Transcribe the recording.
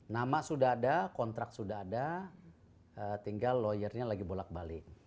nama sudah ada kontrak sudah ada tinggal lawyernya lagi bolak balik